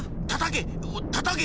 たたけ！